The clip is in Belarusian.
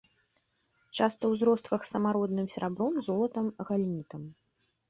Часта ў зростках з самародным серабром, золатам, галенітам.